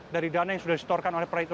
dari dana yang sudah disetorkan oleh praito